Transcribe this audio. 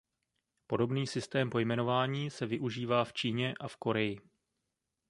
Podobný systém pojmenování se využívá v Číně a v Koreji.